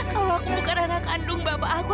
kalau aku bukan anak kandung bapak aku